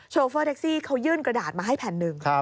โฟเฟอร์แท็กซี่เขายื่นกระดาษมาให้แผ่นหนึ่ง